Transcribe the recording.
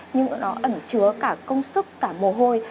nhưng nó ẩn chứa cả công sức cả mồ hôi